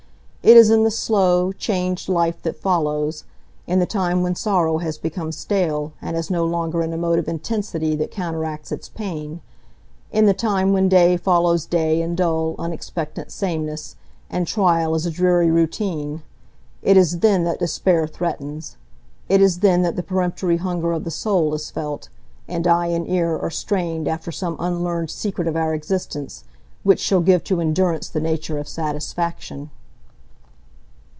It is in the slow, changed life that follows; in the time when sorrow has become stale, and has no longer an emotive intensity that counteracts its pain; in the time when day follows day in dull, unexpectant sameness, and trial is a dreary routine,—it is then that despair threatens; it is then that the peremptory hunger of the soul is felt, and eye and ear are strained after some unlearned secret of our existence, which shall give to endurance the nature of satisfaction.